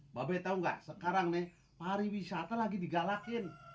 mbak be tau nggak sekarang nih pariwisata lagi digalakin